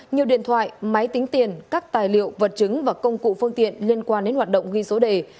nhiều điện thoại máy tính tiền các tài liệu vật chứng và công cụ phương tiện liên quan đến hoạt động ghi số đề